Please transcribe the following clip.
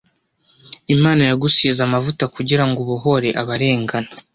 Imana yagusize amavuta kugirango ubohore abarengana